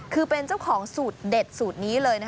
คือเป็นเจ้าของสูตรเด็ดสูตรนี้เลย